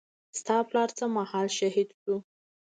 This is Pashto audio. ستا پلار څه مهال شهيد سو.